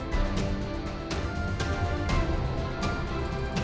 siapa kita indonesia